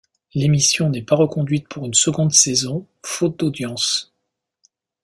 L'émission n'est pas reconduite pour une seconde saison, faute d'audience.